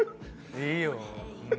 いいよ。